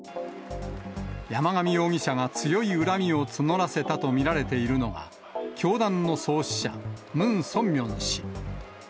山上容疑者が強い恨みを募らせたと見られているのが、教団の創始者、ムン・ソンミョン氏。